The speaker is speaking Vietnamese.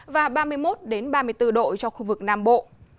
và ba mươi một ba mươi bốn độ cho khu vực nam bộ